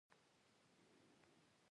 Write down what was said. په دوه دقیقو کې حل شوه.